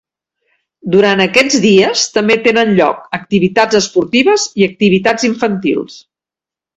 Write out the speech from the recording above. Durant aquests dies també tenen lloc activitats esportives i activitats infantils.